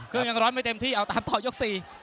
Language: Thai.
ยังร้อนไม่เต็มที่เอาตามต่อยก๔